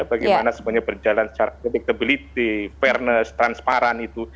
bagaimana sebenarnya berjalan secara codictability fairness transparan itu